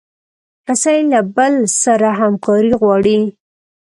رسۍ له بل سره همکاري غواړي.